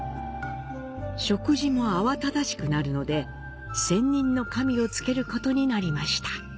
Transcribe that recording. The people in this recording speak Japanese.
食事も慌ただしくなるので、専任の神を就けることになりました。